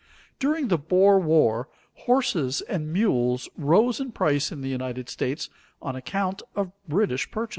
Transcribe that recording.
During the Boer War horses and mules rose in price in the United States on account of British purchases.